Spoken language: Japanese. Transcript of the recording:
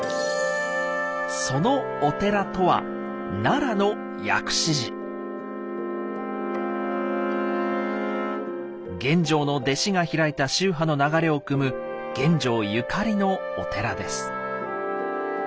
そのお寺とは玄奘の弟子が開いた宗派の流れをくむ玄奘ゆかりのお寺です。